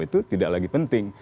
itu tidak lagi penting